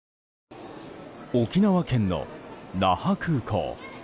沖縄県の那覇空港。